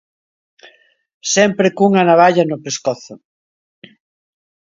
Sempre cunha navalla no pescozo.